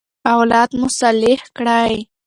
اولاد مو صالح کړئ.